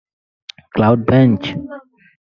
Cloud bench.